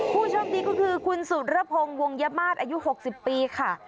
ผู้โชคดีก็คือคุณสุรพงศ์วงยมาตรอายุ๖๐ปีค่ะ